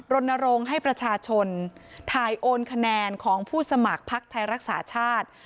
รณรงค์ให้ประชาชนถ่ายโอนคะแนนของผู้สมัครพักไทยรักษาชาติ